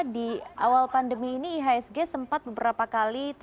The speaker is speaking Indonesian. di awal pandemi ini ihsg sempat beberapa kali